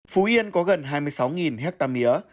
phú yên có gần hai mươi sáu hecta mía